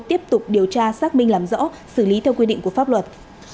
tiếp tục điều tra xác minh làm rõ xử lý theo quy định của pháp luật